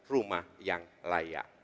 rumah yang layak